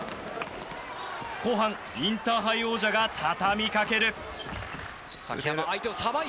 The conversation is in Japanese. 後半インターハイ王者が畳みかける。